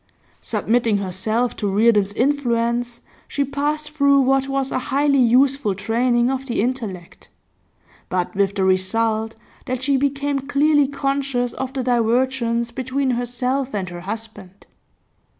Submitting herself to Reardon's influence, she passed through what was a highly useful training of the intellect; but with the result that she became clearly conscious of the divergence between herself and her husband.